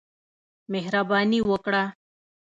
مهرباني وکړه !